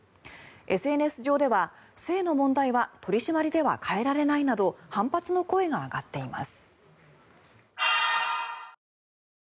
ＳＮＳ上では、性の問題は取り締まりでは変えられないなど反発の声が上がっています。